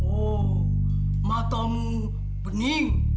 oh matamu pening